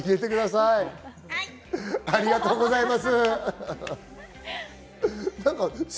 ありがとうございます。